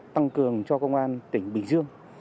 tăng cường cho công an tỉnh bình dương